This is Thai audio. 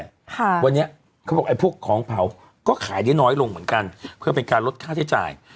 ค่ะวันนี้เขาบอกไอ้พวกของเผาก็ขายได้น้อยลงเหมือนกันเพื่อเป็นการลดค่าใช้จ่าย